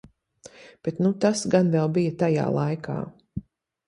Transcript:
Bet nu tas gan vēl bija tajā laikā.